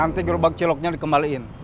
nanti gerobak ciloknya dikembalikan